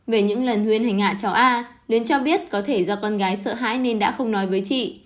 về những lần huyên hành hạ cháu a luyến cho biết có thể do con gái sợ hãi nên đã không nói với chị